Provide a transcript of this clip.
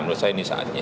menurut saya ini saatnya